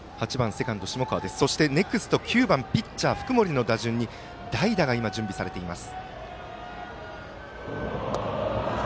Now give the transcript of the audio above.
セカンド下川ネクスト、ピッチャー福盛の打順に代打が今、準備されています。